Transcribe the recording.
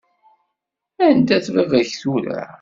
Anda-t baba-k tura?